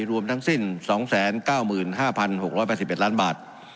รวมทั้งสิ้นสองแสนเก้าหมื่นห้าพันหกร้อยแปดสิบเอ็ดล้านบาท